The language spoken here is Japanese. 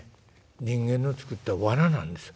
人間の作った罠なんですよ」。